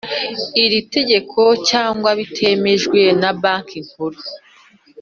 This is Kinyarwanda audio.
iri tegeko cyangwa bitemejwe na Banki Nkuru